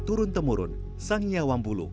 turun temurun sangnya wambulu